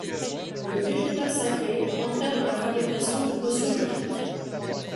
Le végétal sacré rentrait dans la fabrication de potions magiques.